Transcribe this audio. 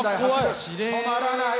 止まらない！